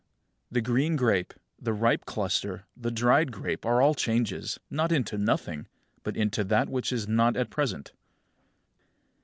35. The green grape, the ripe cluster, the dried grape are all changes, not into nothing, but into that which is not at present.